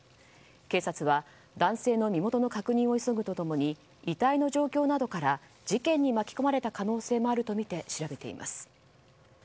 警察は男性の身元の確認を急ぐと共に遺体の状況などから事件に巻き込まれた可能性もあるとみて調べています。